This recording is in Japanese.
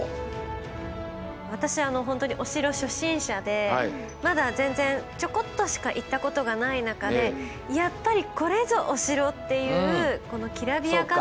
私本当にお城初心者でまだ全然ちょこっとしか行ったことがない中でやっぱりこれぞお城っていうこのきらびやかさ見にいきたいなと。